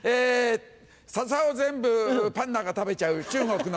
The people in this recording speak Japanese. ササを全部パンダが食べちゃう中国の七夕。